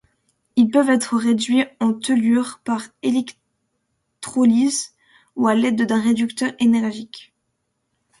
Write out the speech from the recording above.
Ils peuvent être réduits en tellure par électrolyse ou à l'aide d'un réducteur énergique.